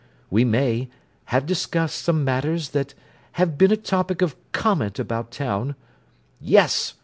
We may, have discussed some matters that have been a topic of comment about town—" "Yes!"